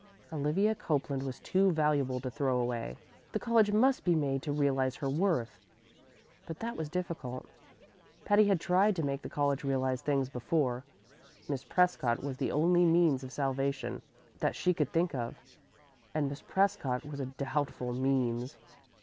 Olivia Copeland was too valuable to throw away. The college must be made to realize her worth. But that was difficult. Patty had tried to make the college realize things before. Miss Prescott was the only means of salvation that she could think of, and Miss Prescott was a doubtful means.